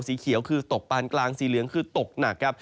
สีเขียวคือตกปานกลางสีเหลืองคือตกหนักครับ